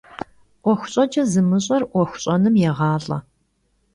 'Uexu ş'eç'e zımış'er 'Uexu ş'enım yêğalh'e.